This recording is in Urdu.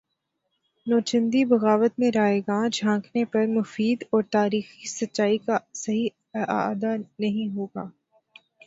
نوچندی بغاوت میں رائیگاں جھانکنے پر مفید اور تاریخی سچائی کا صحیح اعادہ نہیں ہو گا